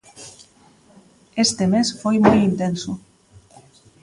Este mes foi moi intenso.